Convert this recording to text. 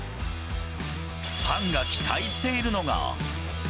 ファンが期待しているのが。